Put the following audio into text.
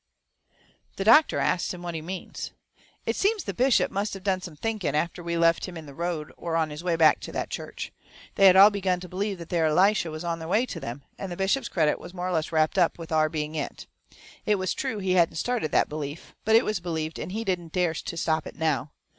The doctor asts him what he means. It seems the bishop must of done some thinking after we left him in the road or on his way back to that church. They had all begun to believe that there Elishyah was on the way to 'em, and the bishop's credit was more or less wrapped up with our being it. It was true he hadn't started that belief; but it was believed, and he didn't dare to stop it now.